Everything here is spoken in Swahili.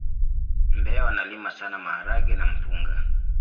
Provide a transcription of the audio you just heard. mbeya wanalima sana maharage na mpunga